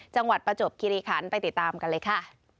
ประจวบคิริขันไปติดตามกันเลยค่ะ